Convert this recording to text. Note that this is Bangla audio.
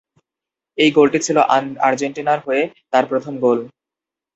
এই গোলটি ছিল আর্জেন্টিনার হয়ে তার প্রথম গোল।